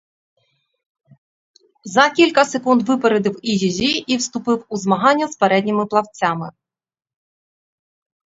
За кілька секунд випередив і її і вступив у змагання з передніми плавцями.